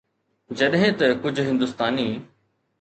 جڏهن ته ڪجهه هندستاني